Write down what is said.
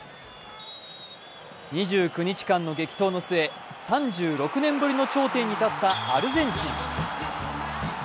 ２９日間の激闘の末、３６年ぶりの頂点に立ったアルゼンチン。